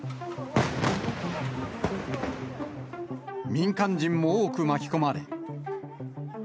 民間人も多く巻き込まれ。